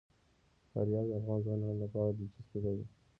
فاریاب د افغان ځوانانو لپاره دلچسپي لري.